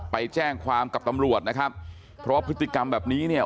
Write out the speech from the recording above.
ไปแจ้งความกับตำรวจนะครับเพราะพฤติกรรมแบบนี้เนี่ย